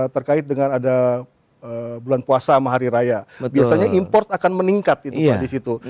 terkait dengan ada bulan puasa sama hari raya biasanya import akan meningkat di situ